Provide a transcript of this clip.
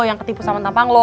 nggak tipu sama tampang lu